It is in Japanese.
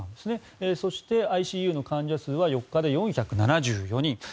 そして、ＩＣＵの患者数は４日で４７４人。